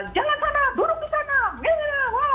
jangan sana duduk di sana